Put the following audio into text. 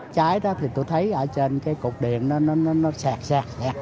cháy đó thì tôi thấy ở trên cái cục điện nó sẹt sẹt